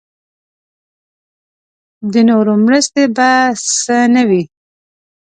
د نورو مرستې بې څه نه وي.